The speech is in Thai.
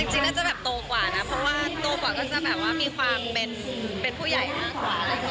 จริงจะแบบโตกว่าน่ะครับเพราะว่าโตกว่าก็แบบมีความเป็นผู้ใหญ่มาก